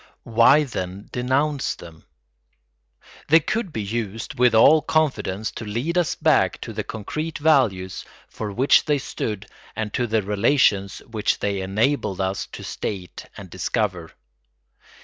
Why, then, denounce them? They could be used with all confidence to lead us back to the concrete values for which they stood and to the relations which they enabled us to state and discover.